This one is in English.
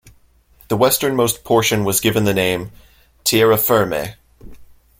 The westernmost portion was given the name "Tierra Firme".